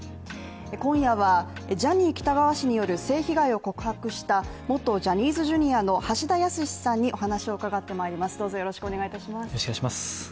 今夜はジャニー喜多川氏による性被害を告白した、元ジャニーズＪｒ．の橋田康さんにお話を伺ってまいります。